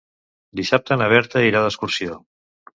Dissabte na Berta irà d'excursió.